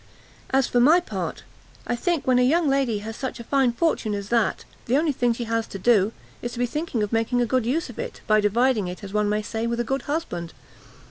And for my part, I think when a young lady has such a fine fortune as that, the only thing she has to do, is to be thinking of making a good use of it, by dividing it, as one may say, with a good husband.